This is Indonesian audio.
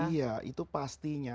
iya itu pastinya